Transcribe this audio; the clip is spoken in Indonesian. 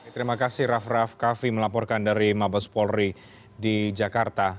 terima kasih raff raff kaffi melaporkan dari mabes polri di jakarta